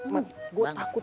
mat gue takut